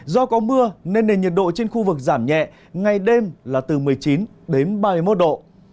do có mưa nên nền nhiệt độ trên khu vực giảm nhẹ ngày đêm là từ một mươi chín đến ba mươi một độ